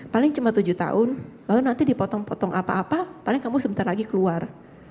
paling cuma tujuh tahun lalu nanti dipotong potong apa apa paling kamu sebentar lagi keluar